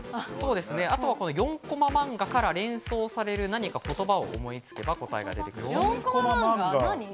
あとはこの４コマ漫画から連想される何か言葉を思いつけば答えが出てくる。